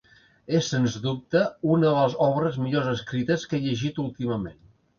És sense dubte una de les obres millor escrites que he llegit últimament.